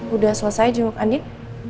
udah selesai juga andin